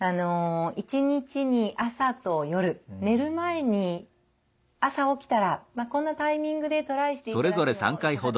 一日に朝と夜寝る前に朝起きたらこんなタイミングでトライしていただくのいかがでしょうか。